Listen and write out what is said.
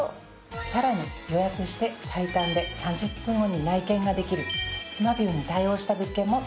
さらに予約して最短で３０分後に内見ができるスマビューに対応した物件もたくさんあります。